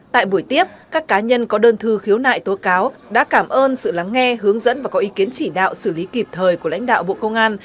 tại buổi tiếp các cá nhân có đơn thư khiếu nại tố cáo đã cảm ơn sự lắng nghe hướng dẫn và có ý kiến chỉ đạo xử lý kịp thời của lãnh đạo bộ công an